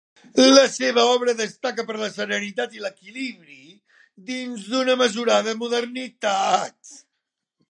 La seva obra destaca per la serenitat i l'equilibri, dins d'una mesurada modernitat.